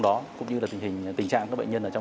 để tình hình trong năm được bệnh nhân